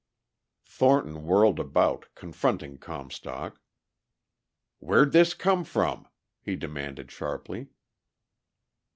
Thornton whirled about, confronting Comstock. "Where'd this come from?" he demanded sharply.